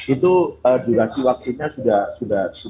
itu durasi waktunya sudah cukup